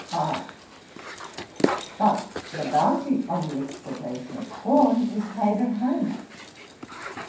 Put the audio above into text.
R. 'But the bounty on the exportation of corn is paid at home.'